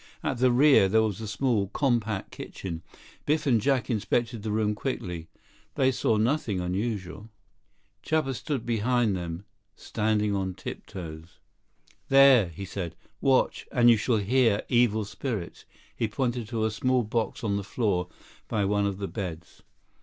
At the rear there was a small, compact kitchen. Biff and Jack inspected the room quickly. They saw nothing unusual. Chuba stood behind them, standing on tiptoes. 51 "There!" he said. "Watch, and you shall hear evil spirits." He pointed to a small box on the floor by one of the beds.